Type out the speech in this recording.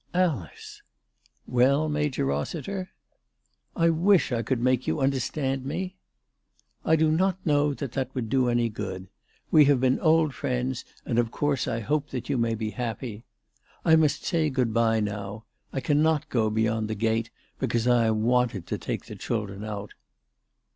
"Alice!" " Well, Major Bossiter." " I wish I could make you understand me." " I do not know that that would do any good. We have been old friends, and of course I hope that you may be happy. I must say good bye now. I cannot go beyond the gate, because I am wanted to take the children out."